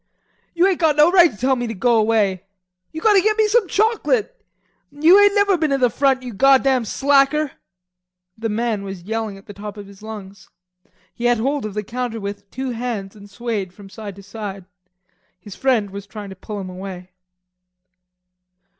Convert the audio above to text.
"You ain't got no right to tell me to go away. You got to get me some chocolate. You ain't never been at the front, you goddam slacker." The man was yelling at the top of his lungs. He had hold of the counter with two hands and swayed from side to side. His friend was trying to pull him away.